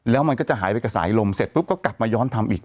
แล้วมันก็จะหายไปกับสายลมเสร็จปุ๊บก็กลับมาย้อนทำอีก